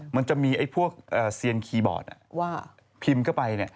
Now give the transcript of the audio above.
มันจะมีไอ้พวกเซียนคีย์บอร์ดพิมพ์เข้าไปเนี่ย